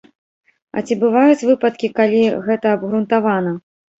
А ці бываюць выпадкі, калі гэта абгрунтавана?